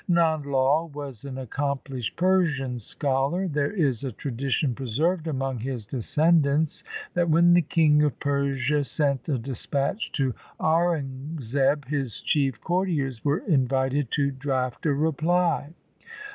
Nand Lai was an accomplished Persian scholar. There is a tradition preserved among his descendants, LIFE OF GURU GOBIND SINGH 103 that when the King of Persia sent a dispatch to Aurangzeb, his chief courtiers were invited to draft a reply.